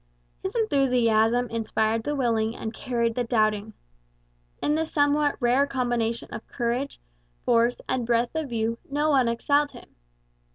His enthusiasm inspired the willing and carried the doubting. In the somewhat rare combination of courage, force, and breadth of view no one excelled him.